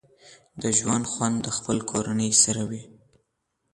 د ژوند خوند د خپلې کورنۍ سره وي